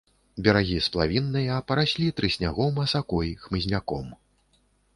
Берагі сплавінныя, параслі трыснягом, асакой, хмызняком.